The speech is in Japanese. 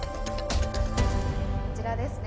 こちらですね。